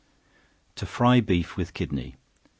To Fry Beef with Kidney.